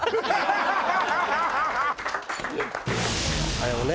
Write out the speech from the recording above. あれもね。